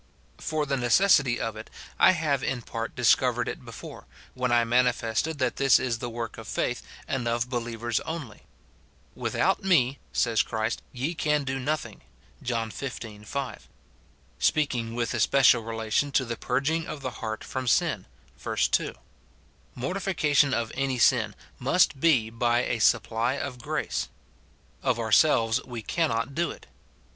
For the necessity of it, I have in part discovered it ' before, when I manifested that this is the work of faith and of believers only. "Without me," says Christ, "ye can do nothing," John xv. 5 ; speaking with especial * Psa. cxxiii. 2. f Isa. vii. 9. J Juhn vi. 68. 206 MOKTIFICATION OF relation to the purging of the heart from sin, verse 2. Mortification of any sin must be by a supply of grace. Of ourselves we cannot do it.